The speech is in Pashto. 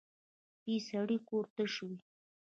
بې سړي کور تش وي